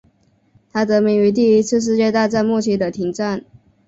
它得名于第一次世界大战末期的停战。